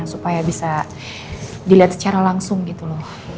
supaya bisa dilihat secara langsung gitu loh